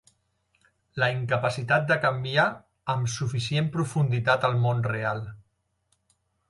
La incapacitat de canviar amb suficient profunditat el món real.